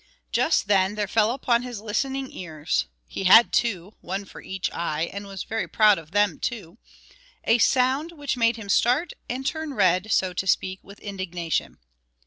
Just then there fell upon his listening ears he had two, one for each eye, and was very proud of them too a sound which made him start and turn red, so to speak, with indignation.